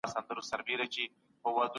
بورجیګین وايي چې دماغ اسانه نه تسلیمېږي.